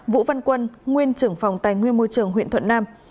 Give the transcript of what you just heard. vũ văn quân nguyên trưởng phòng tài nguyên môi trường huyện thuận nam